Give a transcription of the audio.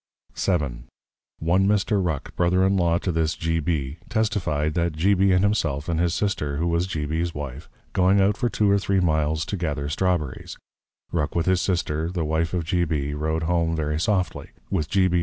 VII. One Mr. Ruck, Brother in Law to this G. B. testified, that G. B. and himself, and his Sister, who was G. B's Wife, going out for two or three Miles to gather Straw berries, Ruck with his Sister, the Wife of G. B. Rode home very Softly, with _G. B.